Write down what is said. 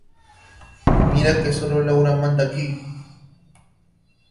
Mira que sola Laura manda aquí.